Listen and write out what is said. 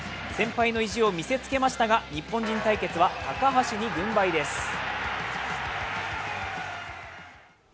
先輩の意地を見せつけましたが日本人対決は高橋に軍配です。